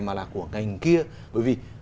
mà là của ngành kia bởi vì